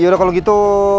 yaudah kalau gitu